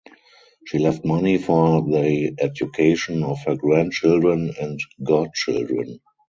She left money for the education of her grandchildren and godchildren.